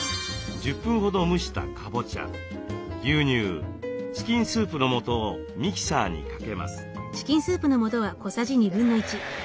１０分ほど蒸したかぼちゃ牛乳チキンスープの素をミキサーにかけます。